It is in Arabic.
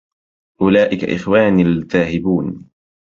أولئك إخواني الذاهبون